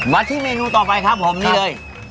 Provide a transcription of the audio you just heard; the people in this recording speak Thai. มาที่เมนูต่อไปครับผมนี่เลย